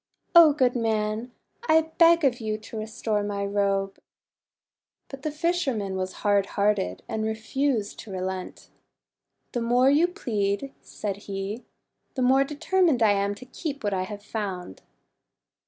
O good man, I beg of you to restore my robe!' But the fisherman was hard hearted, and re fused to relent. 'The more you plead," said he, "the more determined I am to keep what I have found."